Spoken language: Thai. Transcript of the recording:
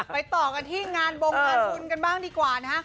ต่อกันที่งานบงงานบุญกันบ้างดีกว่านะฮะ